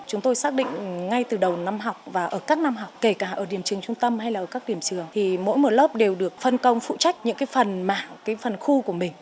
chúng tôi xác định ngay từ đầu năm học và ở các năm học kể cả ở điểm trường trung tâm hay là ở các điểm trường thì mỗi một lớp đều được phân công phụ trách những cái phần mảng cái phần khu của mình